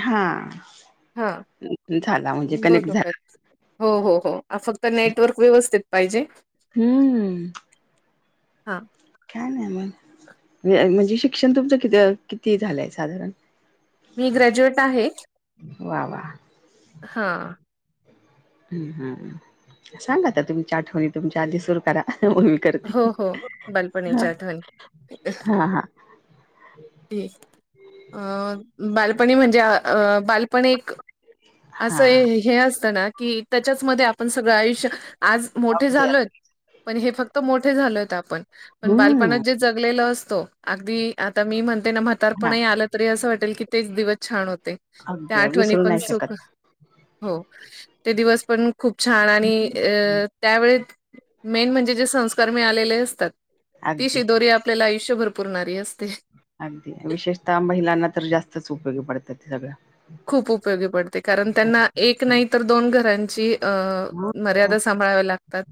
हा हा झाला म्हणजे कनेक्ट झाला. बरोबर हो हो हो असच नेटवर्क व्यवस्थित पाहिजे. हम्म! हा काय नाही मग म्हण म्हणजे शिक्षण तुमचं कि किती झालंय साधारण? मी ग्रॅज्युएट आहे. वा वा. हा! हम् हम् सांगा आता तुमच्या आठवणी तुमच्या आधी सुरू करा. मग मी करते हो हो बालपणीच्या आठवणी हा हा. अ बालपणी म्हणजे अ बाल पण एक हा असं हे असतं ना की त्याच्याचमध्ये आपण सगळं आयुष्य आज मोठे अगदी झालोयत अगदी पण हे फक्त मोठे झालोयत आपण पण हम्म बालपणात जे जगलेलो असतो अगदी आता मी म्हणते ना म्हातारपण हा ही आलं तरी असं वाटेल तेच दिवस छान होते त्या अगदी आठवणी विसरू पण नाही सुख शकत. हो ते दिवस पण खूप छान आणि अ त्यावेळी मेन म्हणजे जे संस्कार मिळालेले असतात ती अगदी शिदोरी आपल्याला आयुष्यभर पूरणारी असते. अगदी विशेषतः महिलांना तर जास्तच उपयोगी पडतात ते सगळं खूप उपयोगी पडते कारण त्यांना एक नाही तर दोन घरांची हो हो मर्यादा सां - भाळावी लागतात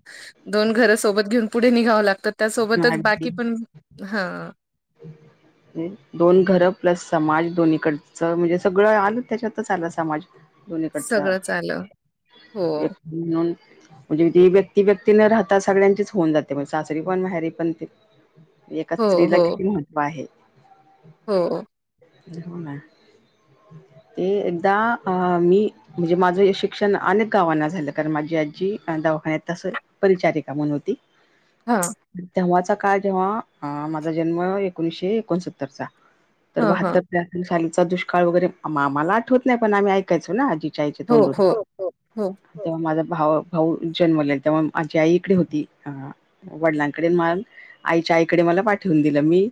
दोन घरं सोबत घेऊन पुढे निघाव लागत त्यासोबतच अगदी बाकी पण हा दोन घरं प्लस समाज दोन्हीकडचं म्हणजे सगळं आलं त्याच्यातच आला समाज दोनकडचा सगळंच आलं. हो, एक म्हणून म्हणजे जे व्यक्ती, व्यक्ती न राहता सगळ्यांचीच होऊन जाते म्हणजे सास री पण माहेरी पण ते एका हो, स्त्रीला हो, किती महत्त्व आहे. हो! हो ना! ते एकदा अ मी म्हणजे माझं हे शिक्षण अनेक गावांना झालं, कारण माझी आजी दवाखान्यात तसं परिचारिका म्हणून होती. हा! तेव्हाचा काळ जेव्हा, माझा जन्म एकोणीसशे एकोणसत्तरचा. तर हां, हां. बहात्तर-त्रहात्तर सालीचा दुष्काळ वगैरे, आम मला आठवत नाही पण आम्ही ऐकायचो ना आजी च्या आईच्या तोंडून. हो हो. तेव्हा माझा भाऊ, भाऊ जन्मले तेव्हा माझी आई इकडे होती, आ वडिलांकडे,, म आईच्या आईकडे मला पाठवून दिलं मी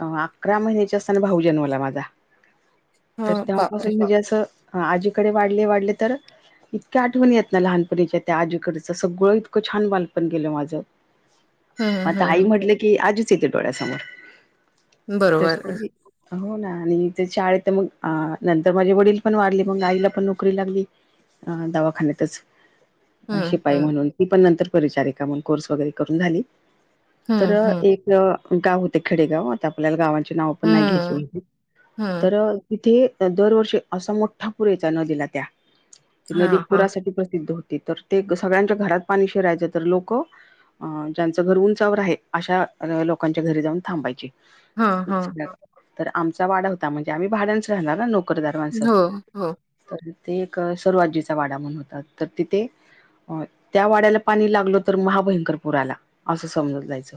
अ अकरा महिन्याची असताना भाऊ जन्मला माझा,, तर हां, बापरे! तेव्हापासून म्हणजे असं हा आजीकडे वाढले वाढले तर इतक्या आठवणी येत ना लहानपणीच्या त्या आजीकडचं सगळं इतकं छान बालपण गेलं माझं हं, मग आता आई हं. म्हटलं की आजीचं येते डोळ्यासमोर,, तर बरोबर. हो ना,, आणि शाळेत तर मग आ नंतर माझे वडील पण वारले, मग आईला पण नोकरी लागली. अ दवाखान्यातच. हं, शिपाई हं. म्हणून,, ती पण नंतर परिचारिका म्हणून कोर्स वगैरे करून झाली. तर, हं, हं. एक गाव होतं खेडेगाव त्या आपल्याला गावाची नावं पण नाही हं, घ्यायची,, हं. तरं तिथे दरवर्षी असा मोठा पुर यायचा नदीला त्या. ती नदी हां, हां. पुरासाठी प्रसिद्ध होती, तर ते सगळ्यांच्या घरात पाणी शिरायचं तर लोकं अ ज्यांचं घर उंचावर आहे, अशा लोकांच्या घरी जाऊन थांबायचे. हां, हां. तर आमचा वाडा होता, म्हणजे आम्ही भाड्यानच राहणार ना नोकरदार माणसं. हो, हो. तर ते एक सरूआजीचा वाडा म्हणून होता,, तर तिथे अं त्या वाड्याला पाणी लागलं तर महाभयंकर पुर आला,, असं समजत जायचं,,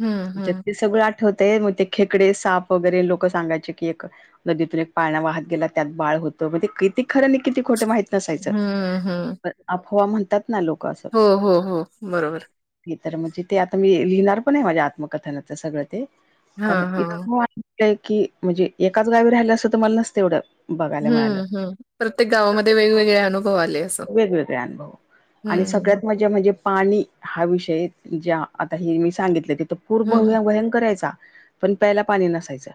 हं, तर हं. ते सगळं आठ होते, मग ते खेकडे साप वगैरे लोकं सांगायचे की एक नदीतून एक पाळणा वाहत गेला त्यात बाळ होतं,, मण ते किती खरं आणि किती खोटं माहित नसायचं,, हं, हं. अफवा म्हणतात ना लोकं असं हो हो हो बरोबर हे तर म्हणजे, ते आता मी लिहिणार पण आहे माझ्या आत्मकथनात सगळं ते, कारण हां, हां. इतकं की म्हजे, एकाच गावी राहिलो असतो तर मला नसतो एवढं बघायला मिळालं. हम्म हम्म,, प्रत्येक गावामध्ये वेगवेगळे अनुभव आले असं,. वेगवेगळे अनुभव आणि हं, हं. सगळ्यात मजे म्हजे पाणी हा विषय,, ज्या आता हे मी सांगितलं तिथं तर पूर हं. भयंकर यायचा. पण प्यायला पाणी नसायचं,,,,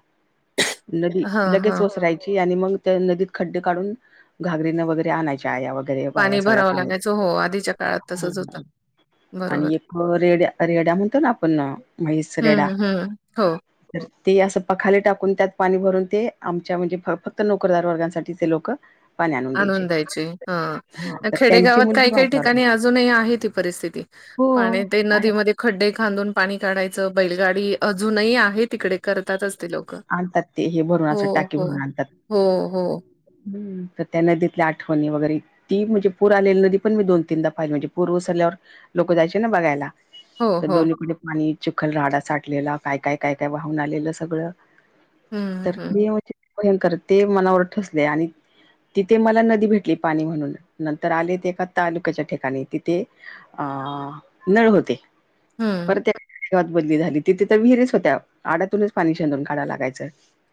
नदी हां, लगेच हां. वसरायची आणि मग त्या नदीत खड्डे काढून,, घागरीनं वगैरे आणायच आया वगैरे बाया पाणी सगळ्या भरावं पाणी लागायचं. हो, आधीच्या काळात तसंच होतं. बरोबर. आणि एक रेड्या, रेड्या म्हणतो ना आपण मैस रेडा हं, हं. हो. ते असं पखाले टाकून त्यात पाणी भरून, ते आमच्या म्हणजे फक्त नोकरदार वर्गांसाठी ते लोकं आणून द्यायचे,,, हां. तर त्यांची खेडेगावात मुलगी काही काही माझ्या ठिकाणी वर्गात अजूनही आहे ती परिस्थिती,, हो पाण्यात ते आहे नदीमध्ये खड्डे खांदून पाणी काढायचं,, बैलगाडी अजूनही आहे तिकडे, करतातच ते लोक, आणतात ते हे भरून असात, टाकीे भरून आणतात. हो, हो. हम्, त त्या नदीतल्या, आठवणी वगैरे ती म्हणजे, पूर आलेली नदी पण, मी दोन-तीनदा पाहिली, म्हणजे पूर ओसरल्यावर, लोकं जायचे ना, बघायला? हो, तर हो. दोन्हीकडे पाणी, चिखल राहडा साठलेला, काय- काय-काय-काय वाहून आलेलं, सगळं. हं, तर, हं. ते म्हणजे भयंकर, ते मनावर ठसलय, आणि तिथे मला नदी भेटली, पाणी म्हणून, नंतर आले, ते एका तालुक्याच्या ठिकाणी, तिथे अं, नळ होते. हं. परत एका [inaudible] वात बदली झाली, तिथे तर विहिरीच होत्या, आडातूनच पाणी शेंदून काडाय लागायचं.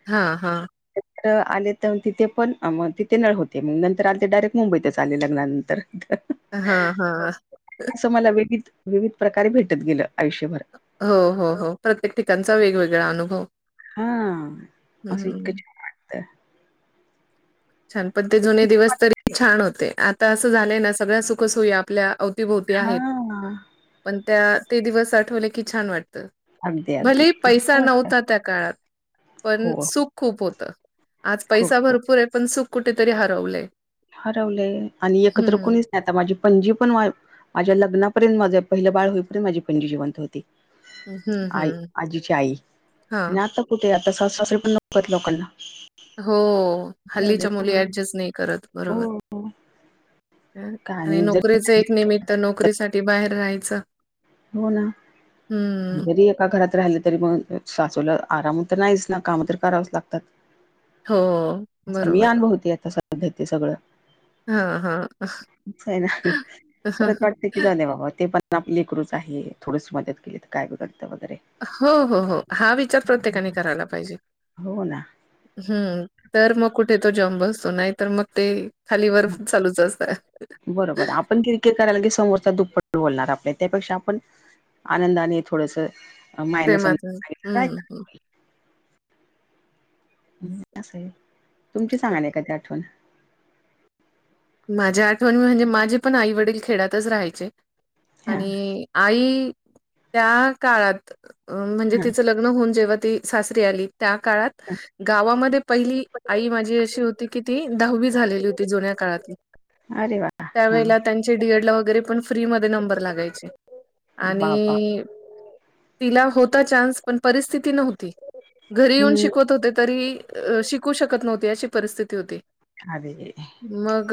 हा हा. [unintelligible] आले त, तिथे पण, अ म तिथे नळ होते, मग नंतर आले, ते डायरेक्ट मुंबईतच, आले लग्नानं तर. हं हं. असं मला, विविध-विविध प्रकारे भेटत गेलं, आयुष्यभर हो हो हो, प्रत्येक ठिकाणचा, वेग-वेगळा अनुभव. हां, असं इतकं हं. छान वाटतं. छान, पण ते जुने दिवस, तरी छान होते, आता असं झालंय ना, सगळ्या सुखसोई आपल्या अव ती भोवती आहेत, हा पण त्या, ते दिवस आठवले की, छान वाटतं. अगदी अगदी भलेही पैसा इतकं वाटतं नव्हता, त्या काळात, पण हो सुख खूप होत, आज खूप पैसा खूप भरपूर ये, पण सुख कुठेतरी हरवलंय. हरवलय आणि एकत्र हं. कूणीच [unintelligible] आता माझी पणजी पण, मा -माझ्या लग्नापर्यंत, माझ पहिलं बाळ होईपर्यंत, माझी पणजी जिवंत होती. हं, हं. आई-आजीची आई, आणि हां. आता कुठे आता, सासु-सासरे पण, नकोत लोकांना. हो, झाले हल्लीच्या मुली, ऍडजस्ट नही करत, बरोबर. हो का आणि जर नोकरीचं एक निमित्त, नोकरी साठी, बाहेर राहायचं. हो ना, हं, जरी एका घरात राहिलं, तरी मग सासूला आराम त नाहीच ना, काम तर करावंच लागतात. हो, मी बरोबर. अनुभवते, आता सध्या ते सगळं. हां, हां. असायना, परत वाटत की, जाऊदे बाबा, ते पण [unintelligible] आपली लेकरूच आहे, थोडस मदत केली, त काय बघलतं वगैरे? हो हो हो, हा विचार प्रत्येकाने, करायला पाहिजे. हो ना हम्म, तर मग कुठे, तो जम बसतो, नाही तर मग ते खालीवर चालूच असत. ते करायला की, समोरचा दुप्पट बोलणार, आपल्या त्यापेक्षा आपण, आनंदाने थोडंसं प्रेमाचं, हम्म हम्. ह्म असं, तुमची सांगा ना, एखादी आठवण. माझी आठवण म्हणजे, माझे पण आई-वडील खेड्यातच रहायचे, हा आणि आई, त्या काळात, म्हणजे तिचं ल ग्न होऊन, जेव्हा ती सासरी आली, त्या काळात गावामध्ये पहिली, आई माझी अशी होती की, ती दहावी झालेली होती, जुन्या काळातल. अरे वा! हा त्यावेळेला, त्यांचे डीएड ला, वगैरे पण, फ्री मध्ये नंबर लागायचे, बाबा आणि तिला होता चान्स, पण परिस्थिती नव्हती. घरी येऊन हम्म, शिकवत होते, तरी शिकू शकत नव्हती, अशी परिस्थिती होती. अरे रे रे. मग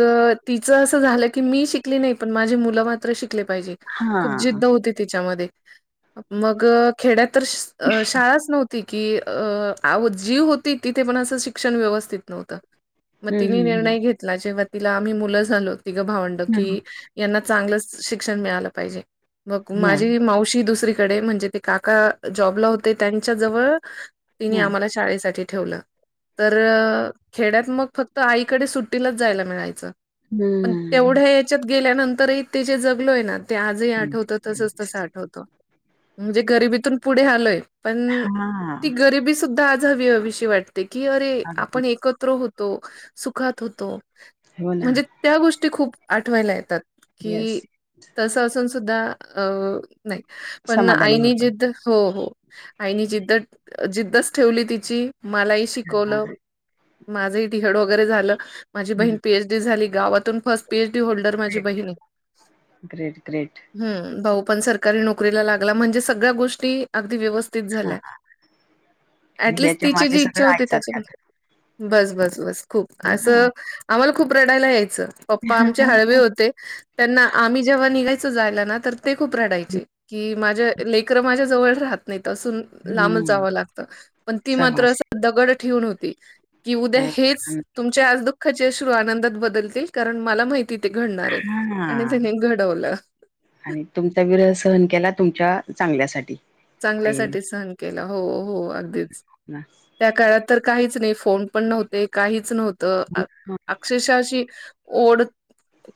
तिचं असं झालं की, मी शिकली नाही पण माझे मुलं मात्र शिकले पाहिजे. हा खूप हम्म, जिद्द होती तिच्यामध्ये. मग खेड्यात तर शाळाच नव्हती. की अ जी होती, तिथे पण असं शिक्षण व्यवस्थित नव्हतं. मग तिने हम्म, निर्णय घेतला, जेव्हा तिला आम्ही मुलं झालो तिघ भावंड हम्म. की यांना चांगलंच शिक्षण मिळालं पाहिजे. मग हम्म, हा माझी मावशी दुसरीकडे म्हणजे ते काका जॉबला होते. त्यांच्या जवळ तिने हा आम्हाला शाळेसाठी ठेवलं, तर खेड्यात मग फक्त आईकडे सुट्टीलाच जायला मिळायचं. पण हम्म. तेवढ्या याच्यात गेल्यानंतरही ते जे जगलोय ना. ते आजही आठवत तसच तस आठवत. म्हणजे गरिबीतून पुढे आलोय पण ती हां. गरिबी सुद्धा आज हवी-हवीशी वाटते की अरे आपण एकत्र होतो. सुखात होतो, हो ना. म्हणजे त्या गोष्टी खूप आठवायला येतात. कि येस. तस असून सुद्धा अ नाही. पण समाधानी आईनी होतो. जिद्द हो हो आईनी जिद्दत जिद्दच ठेवली तिची, मलाही शिकवलं. माझंही टिहड वगैरे झालं. माझी बहीण हं. पीएच डी झाली. गावातून फर्स्ट पीएच डी होल्डर माझी बहिण. Great, great. हम्म, भाऊ पण सरकारी नोकरीला लागला म्हणजे सगळ्या गोष्टी अगदी व्यवस्थित हां. झाल्या. ऍटलिस्ट ह्याच्या तिची मागे जी इच्छा सगळं होती, आईचाच त्याच्यामध्ये काका बस-बस-बस खूप हां. असं आम्हाला खूप रडायला यायचं, पप्पा आमचे हळवे होते. त्यांना आम्ही जेव्हा निघायचं जायलं ना, तर ते खूप रडायचे. कि माझ्या लेकरं माझ्या जवळ राहत नाहीत असून. लांब हं. जावं लागत, पण ती मात्र सहवास. अस दगड ठेवून होती. की उद्या हो. हेच तुमच्या आज दुःखाचे अश्रू आनंदात बदलतील. कारण मला माहित कि ते घडणार आहेत आणि हां. तिने घडवलं. आणि तुमचा विरह सहन केला तुमच्या चांगल्यासाठी. आईने चांगल्यासाठी सहन केलं, हो-हो अगदीच. ना. त्या काळात तर काहीच नाही, फोन पण नव्हते काहीच नव्हतं. अक्षरक्षः अशी ओढ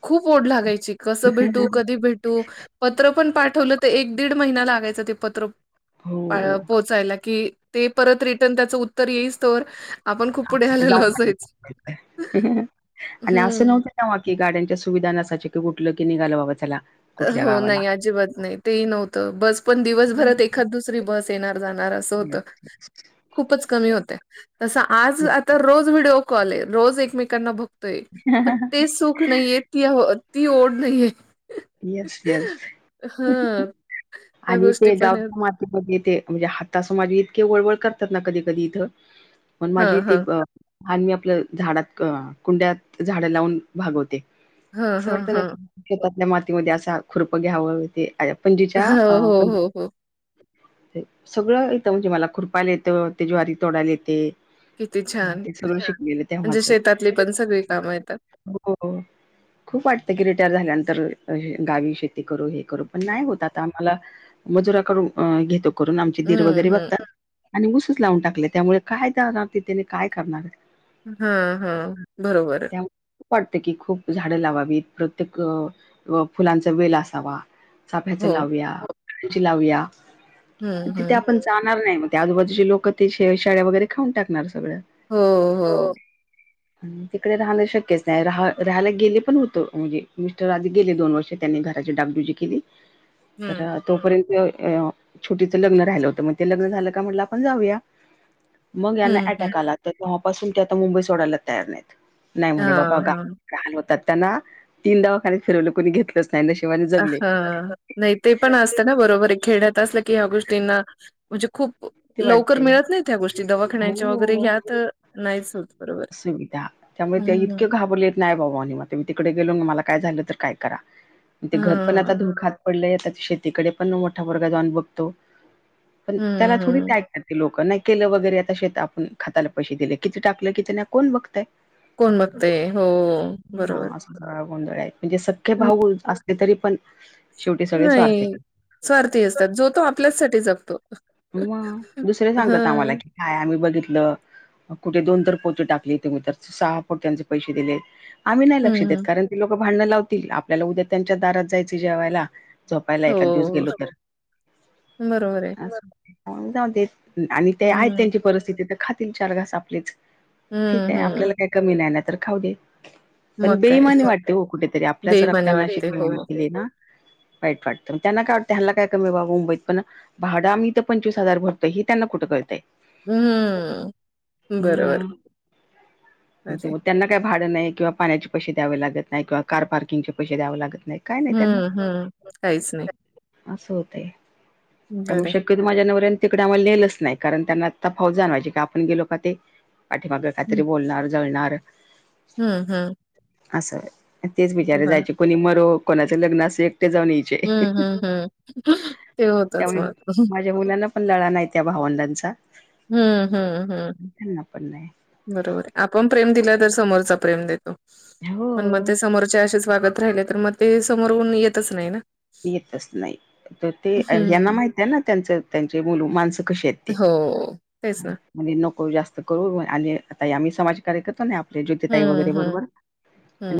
खूप ओढ लागायची. कसं भेटू, कधी भेटू पत्र पण पाठवलं तर एक दीड महिना लागायच, ते पत्र हो. पोहोचायला की ते परत रिटर्न त्याचं उत्तर येईस तोवर [unintelligible] हं. तेव्हा की गाड्यांच्या सुविधा नसायच, की उठलं की निघालं बाबां चला. कुठल्या हो गावाला. नाही अजिबात नाही तेही नव्हतं, बस पण दिवसभरात एखाद दुसरी बस येणार जाणार. असं होतं खुपच कमी होते, तसं आज आता रोज कॉलेय, रोज एकमेकांना बघतोय पण ते सुख नाहीये ती ती ओढ नाहीये. येस-येस. हा. आणि ते गावच्या मातीमध्ये ते म्हणजे हातासमाजे इतके वळवळ करतात, ना कधी कधी इथं मण माझी हां, ती हां. तहान मी आपलं झाडात, कुंड्यात झाडं लावून भागवते. हां, असं हां, वाटत ना हां. शेतातल्या मातीमध्ये असा खुरप घ्यावं, ते पणजीच्या हो, अ, हो, पण हो, हो. सगळं येतं म्हणजे मला खुरपायला येतं, ते ज्वारी तोडायला येते. किती हा छान. ते सगळं शिकलेलं म्हणजे तेव्हाचं. शेतातली पण सगळी कामं येतात. हो खूप वाटतं की, रिटायर झाल्यानंतर गावी ते करू, हे करू पण नाही होत आता आम्हाला मजुराकडून करून घेतो. करून आमचे दीर हं, वगैरे हं. बघतात आणि उसच लावून टाकले त्यामुळे काय जाणार तिथने आणि काय करणार. हा हा बरोबर. त्यामुळे खूप वाटते की खूप झाडं लावावीत प्रत्येक फुलांचा वेल असावा. चाफ्याच हो. लावूया, झेंडूची लाऊया हं, तिथे हं. आपण, जाणार नाही मग ते आजूबाजूचे लोक ते शे शाळे वगैरे खाऊन टाकणार सगळ. हो हो [unintelligible] तिकडे राहणं शक्यच नाही राहा राहायला गेले पण होत म्हणजे मिस्टर आधी गेले दोन वर्षे, त्यांनी घराची डागडुजी केली हं, तर, तोपर्यंत छोटीचं लग्न राहिलं होतं मग ते लग्न झालं का म्हटलं आपण जाऊया मग यांना हं, हं. अटॅक आला तर तेव्हापासून ते आता मुंबई सोडायला तयार नाहीत नाही म्हणे बाबा हां, ग- हां. हाल होतात त्यांना तीन दवाखाने फिरवलं कोणी घेतलंच नाही नशिबाने अ, जगले. हां. नाही ते पण असतं ना बरोबर आहे खेड्यात असलं की ह्या गोष्टींना म्हणजे खूप, ते लवकर वाटते. मिळत नाही त्या गोष्टी दवाखाण्याच्या वगैरे ह्या हो. तर नाहीच होत बरोबर. सुविधा त्यामुळे त्या हं, इतके घाबरले नाही बाबा म मी तिकडे गेलो आणि मला काय झालं तर काय करा ते घर पण आता हां. धूळ खात पडलय आता ते शेतीकडे पण मोठा पोरगा जाऊन बघतो पण त्याला हं, थोडी हं. ते लोक नाही केलं वैगेरे आता शेत आपण खताला पैसे दिले कितीं टाकलं किती नाही कोण बघतय. कोण बघतय हो बरोबर. हा असा सगळा गोंधळ आहे म्हणजे सख्खे हं. भाऊ असले तरी पण, शेवटी सगळे स्वार्थी नाही स्वार्थी असतात जो तो आपल्याचसाठी जगतो. मग दुसरे सांगतात आम्हाला हं, की काय आम्ही बघितलं. कुठे दोन तर पोती टाकली ते म तर सहा पोत्याचे पैसे दिले. आम्ही नाही लक्ष देत हं. कारण ते लोक भांडणं लावतील आपल्याला उद्या त्यांच्या दारात जायचे जेवायला झोपायला एका दिवस हो, गेलो तर बरोबर आहे. अस जाऊ देत. आणि ते आहेत हं, त्यांची परिस्थिती तर खातील चार घास आपलेच ठीक हं, आहे हं. आपल्याला काय कमी नाही नाय तर खाऊ दे. पण मग काय बेईमानी वाटते हो कुठेतरी आपल्याच बेईमानी रक्तना अशी वाटते. हो. बेमाईनी केली ना वाईट वाटतं, मग त्यांना काय वाटतं ह्यांना काय कमी बाबा मुंबईत पण भाडं आ् पंचवीस हजार भरतोय, हे त्यांना कुठं कळतंय. हम्म, बरोबर. मग अरे! त्यांना काय भाडं नाही किंवा पाण्याचे पैसे द्यावे लागत नाही किंवा कार पार्किंगचे पैसे द्यावे लागत नाही. काय नाही त्यांना हम्म, हम्म. काहीच नाही. असं होतंय. बरं त्यामुळे आहे. शक क्यतो माझ्या नवर्याने तिकडे आम्हाला न्हेलच नाही. कारण त्यांना तफावत जाणवायची की आपण गेलो का ते पाठीमाग काहीतरी बोलणार, जळणार. हम्म. हम्म. असं, तेच बिचारे जायचे. कोणी मरो, कोणाचं लग्नं असो, एकटे जाऊन यायचे. हम्म हम्म हम्म. ते होतंच त्यामुळे मग. माझ्या मुलांना पण लळा नाही त्या भावंडांचा. हम्म हम्म हम्म. हृयांना पण नाही. बरोबर आहे. आपण प्रेम दिल, तर समोरचा प्रेम देतो. हो. पण मग ते समोरचे असेच वागत राहिले तर, मग ते समोरुन येतच नाही ना. येतंच नाही. तर ते ह्यांना हं, माहित आहे ना, त्यांच त्यांचे मुलं, माणसं कशी आहेत ते? हो, तेच ना. म्हणली, नको जास्त करू. आणि आता आम्ही समाज कार्य करतो ना, आपले ज्योतीताई हं, वगैरे हं, बरोबर. हं.